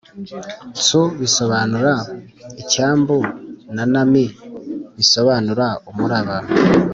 tsu bisobanura icyambu na nami bisobanura umuraba